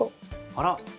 あら。